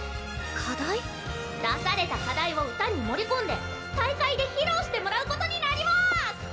出された課題を歌に盛り込んで大会で披露してもらうことになります！